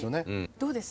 どうです？